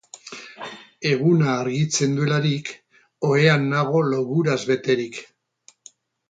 Eguna argitzen duelarik, ohean nago loguraz beterik.